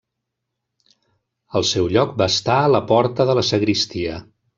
Al seu lloc va estar la porta de la sagristia.